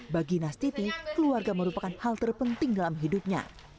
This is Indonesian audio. bagi nastiti keluarga merupakan hal terpenting dalam hidupnya